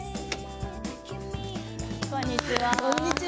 こんにちは。